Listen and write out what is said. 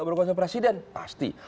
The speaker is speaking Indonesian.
berkorasi dengan presiden pasti